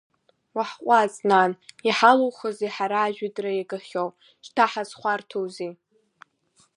Уаҳҟәаҵ, нан, иҳалухузеи ҳара ажәытәра иагахьоу, шьҭа ҳазхәарҭоузеи…